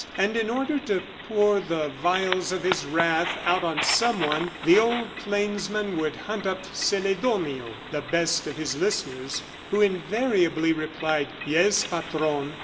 And in order to pour the vials of his wrath out on someone, the old plainsman would hunt up Celedonio, the best of his listeners, who invariably replied, "Yes, Patron.